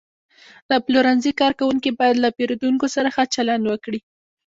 د پلورنځي کارکوونکي باید له پیرودونکو سره ښه چلند وکړي.